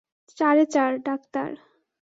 চারে-চার, doctor.